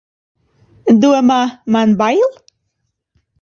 Domā, man bail!